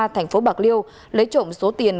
thành phố bạc liêu lấy trộm số tiền